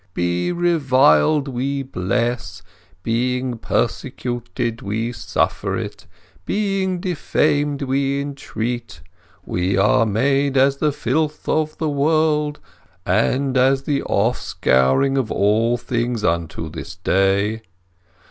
'Being reviled we bless; being persecuted we suffer it; being defamed we entreat; we are made as the filth of the world, and as the offscouring of all things unto this day.